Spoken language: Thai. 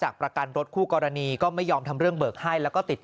จะขอเบิกค่ารักษาจากประกันรถคู่กรณีก็ไม่ยอมทำเรื่องเบิกให้แล้วก็ติดต่อไม่ได้ด้วย